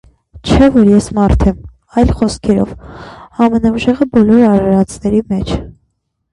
չէ՞ որ ես մարդ եմ, այլ խոսքերով - ամենաուժեղը բոլոր արարածների մեջ…